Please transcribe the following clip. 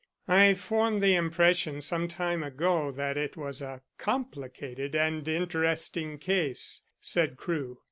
"I formed the impression some time ago that it was a complicated and interesting case," said Crewe.